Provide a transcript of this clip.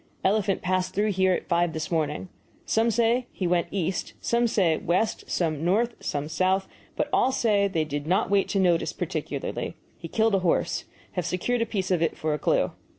Elephant passed through here at five this morning. Some say he went east some say west, some north, some south but all say they did not wait to notice, particularly. He killed a horse; have secured a piece of it for a clue.